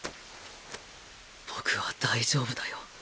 僕は大丈夫だよ。